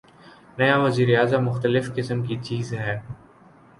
نیا وزیر اعظم مختلف قسم کی چیز ہے۔